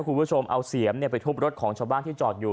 คุณผู้ชมเอาเสียมไปทุบรถของชาวบ้านที่จอดอยู่